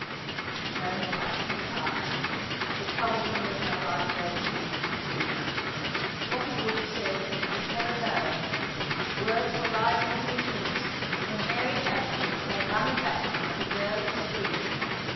The tone touched his heart. It told him that her bright days had been few. What he would have said was never known; words were rising to his lips when Mary Danforth came running back to them at a girlish speed.